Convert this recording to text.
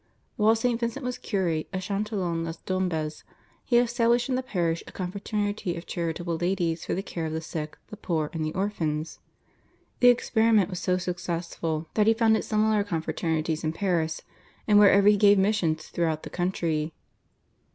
While St. Vincent was cure of Chatillon les Dombes he established in the parish a confraternity of charitable ladies for the care of the sick, the poor, and the orphans. The experiment was so successful that he founded similar confraternities in Paris, and wherever he gave missions throughout the country.